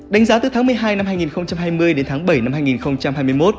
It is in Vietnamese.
đánh giá từ tháng một mươi hai năm hai nghìn hai mươi đến tháng bảy năm hai nghìn hai mươi một